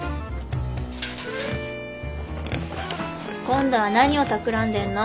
今度は何をたくらんでんの？